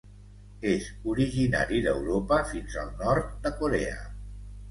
És originari d'Europa fins al nord de Corea.